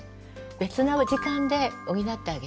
別の時間で補ってあげる。